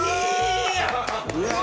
うわ！